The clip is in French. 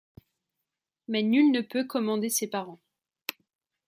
Mais nul ne peut c-commander ses parents.